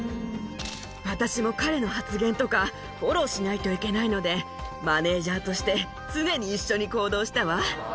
私も彼の発言とか、フォローしないといけないので、マネージャーとして常に一緒に行動したわ。